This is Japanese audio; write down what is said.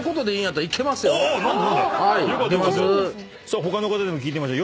他の方にも聞いてみましょう。